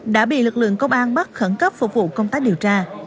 đã bị lực lượng công an bắt khẩn cấp phục vụ công tác điều tra